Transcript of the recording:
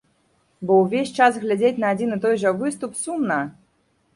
Бо ўвесь час глядзець на адзін і той жа выступ сумна.